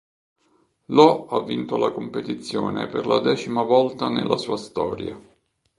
Lo ha vinto la competizione per la decima volta nella sua storia.